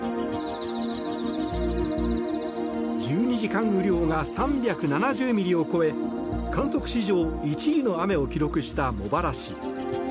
１２時間雨量が３７０ミリを超え観測史上１位の雨を記録した茂原市。